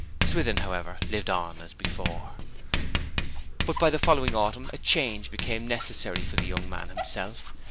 Swithin, however, lived on as before. But by the following autumn a change became necessary for the young man himself.